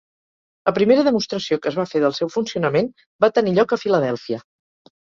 La primera demostració que es va fer del seu funcionament va tenir lloc a Filadèlfia.